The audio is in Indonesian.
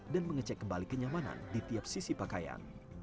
dan mengecek kembali kenyamanan di tiap sisi pakaian